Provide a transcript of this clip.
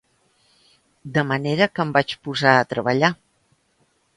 De manera que em vaig posar a treballar.